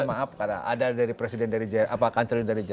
maaf karena ada dari presiden dari jerman